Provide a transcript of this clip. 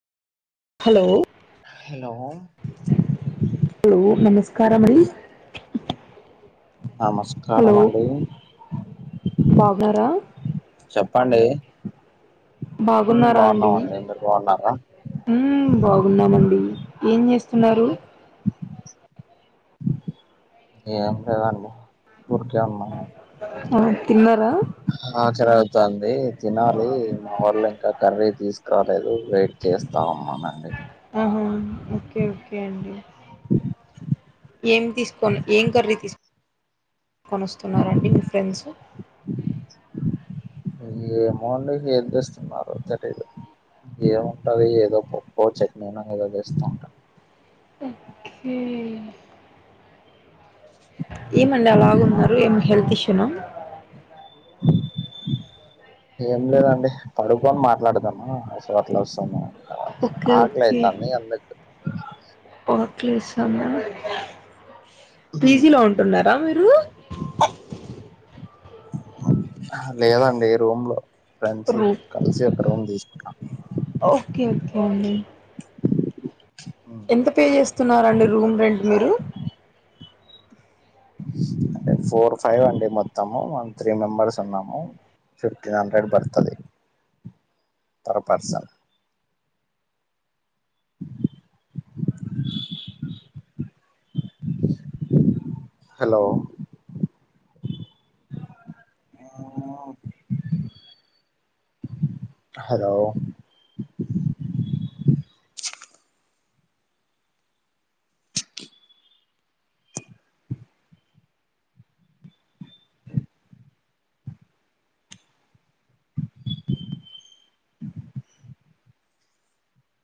Hello hello hello నమస్కారం అండి hello నమస్కారం అండి బాగున్నారా చెప్పండి బాగున్నారా బావున్నామండి మీరు బావున్నారా! ఉమ్ బాగున్నామండి ఏం చేస్తున్నారు ఏం లేదండి వూరికే ఉన్నాను ఆ తిన్నారా ఆ రాత్రి అవుతంది తినాలి మా వాళ్ళు ఇంకా కర్రీ తీసుకు రాలేదు వెయిట్ చేస్తా ఉన్నానండి ఆహా ఓకే ఓకే అండి ఏం తీసుకొని ఏం కర్రీ తీసుకో కొని వస్తున్నారండి మీ ఫ్రెండ్స్ ఏమో అండి ఏంతేస్తున్నారో తెలీదు ఏముంటది ఏదో పప్పు చట్నీనో ఏదో తేస్తూ ఉంటరూ ఉ ఏమండి అలాగ ఉన్నారు ఏం హెల్త్ ఇష్యూనా ఏం లేదండి పడుకొని మాట్లాడుతాను అందుకనే అలా వస్తుందేమో ఓకే ఓకే ఆకలైతాంది అందర్ పీజీలో ఉంటున్నారా మీరు లేదండి రూమ్ లో ఫ్రెండ్స్ రూమ్ కలిసి ఒక రూమ్ తీసుకున్నాం ఓకే ఓకే అండి ఎంత పే చేస్తున్నారండి రూమ్ రెంట్ మీరు అంటే ఫోర్ ఫైవ్ అండి మొత్తము మేము త్రీ మెంబర్స్ ఉన్నాము ఫిఫ్టీన్ హండ్రెడ్ బడుతది పర్ పర్సన్ హలో ఆ హలో